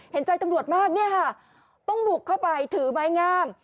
เห็นใจตำรวจมากเนี่ยค่ะต้องบุกเข้าไปถือไม้งาม